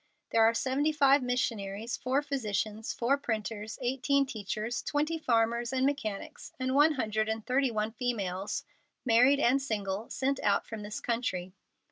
There are seventy five missionaries, four physicians, four printers, eighteen teachers, twenty farmers and mechanics, and one hundred and thirty one females, married and single, sent out from this country."